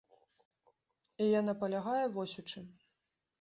І яна палягае вось у чым.